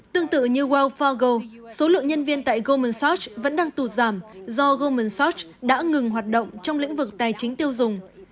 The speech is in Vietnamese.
tương tự như wells fargo số lượng nhân viên tại goldman sachs vẫn đang tụt giảm do goldman sachs đã ngừng hoạt động trong lĩnh vực tài chính tiêu dùng